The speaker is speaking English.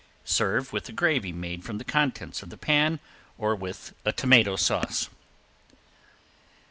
Serve with a gravy made from the contents of the pan or with a tomato sauce.